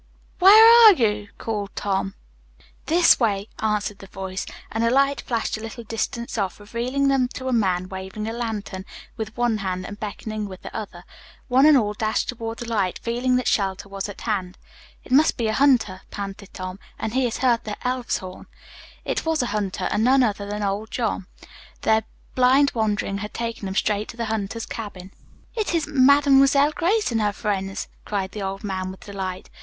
"Where are you?" called Tom. "This way," answered the voice, and a light flashed a little distance off, revealing to them a man waving a lantern with one hand and beckoning with the other. One and all dashed toward the light, feeling that shelter was at hand. "It must be a hunter," panted Tom, "and he has heard the Elf's Horn." It was a hunter, and none other than old Jean. Their blind wandering had taken them straight to the hunter's cabin. "It is Mademoiselle Grace and her friends," cried the old man with delight.